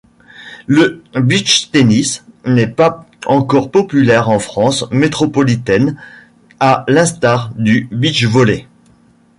Le beach-tennis n'est pas encore populaire en France métropolitaine, à l'instar du beach-volley.